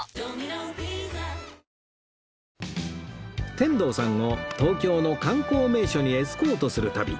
天童さんを東京の観光名所にエスコートする旅